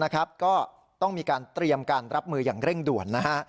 ก็ต้องมีการเตรียมการรับมืออย่างเร่งด่วน